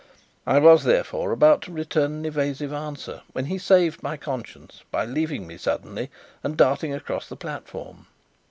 I was, therefore, about to return an evasive answer, when he saved my conscience by leaving me suddenly and darting across the platform.